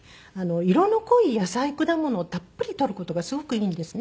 色の濃い野菜果物をたっぷり取る事がすごくいいんですね。